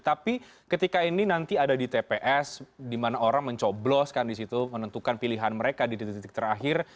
tapi ketika ini nanti ada di tps di mana orang mencobloskan di situ menentukan pilihan mereka di titik titik terakhir